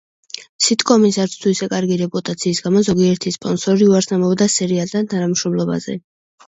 სიტკომის არც თუ ისე კარგი რეპუტაციის გამო ზოგიერთი სპონსორი უარს ამბობდა სერიალთან თანამშრომლობაზე.